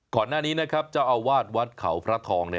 ก่อนหน้านี้นะครับเจ้าอาวาสวัดเขาพระทอง